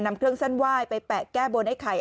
นำเครื่องสั้นว่ายไปแปะแก้ภพโบนไอ้ไข่